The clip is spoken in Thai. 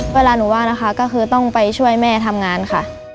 เวลาหนูว่างนะคะก็คือต้องไปช่วยแม่ทำงานค่ะ